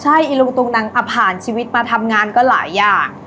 ใช่อีลุงตุงนังผ่านชีวิตมาทำงานก็หลายอย่าง